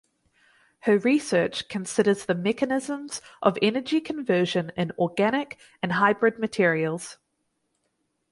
Her research considers the mechanisms of energy conversion in organic and hybrid materials.